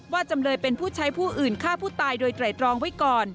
จำเลยเป็นผู้ใช้ผู้อื่นฆ่าผู้ตายโดยไตรตรองไว้ก่อน